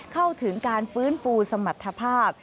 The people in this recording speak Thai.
เข้าถึงการฟื้นฟูสมรรถภาพ